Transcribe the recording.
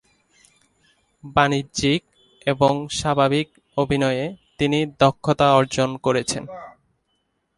বাণিজ্যিক এবং স্বাভাবিক অভিনয়ে তিনি দক্ষতা অর্জন করেছেন।।